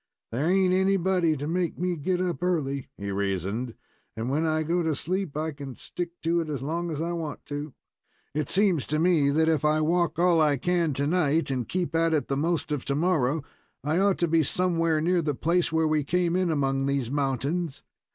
"There ain't anybody to make me get up early," he reasoned, "and when I go to sleep I can stick to it as long as I want to. It seems to me that if I walk all I can tonight, and keep at it the most of tomorrow, I ought to be somewhere near the place where we came in among these mountains.